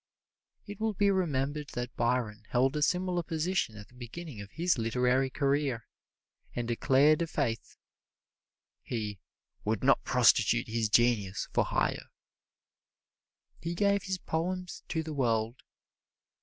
It will be remembered that Byron held a similar position at the beginning of his literary career, and declared i' faith, he "would not prostitute his genius for hire." He gave his poems to the world.